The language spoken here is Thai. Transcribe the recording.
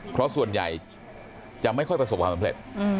เพราะส่วนใหญ่จะไม่ค่อยประสบความสำเร็จ